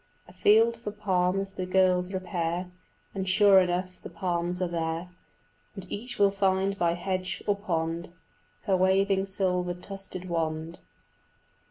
Afield for palms the girls repair, And sure enough the palms are there, And each will find by hedge or pond Her waving silver tufted wand.